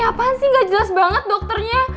apaan sih gak jelas banget dokternya